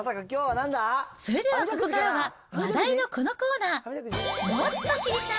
それではここからは話題のこのコーナー、もっと知りたい！